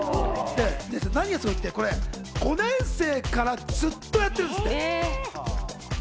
何がすごいって、５年生からずっとやってるんですって。